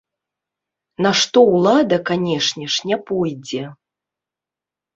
На што ўлада, канешне ж, не пойдзе.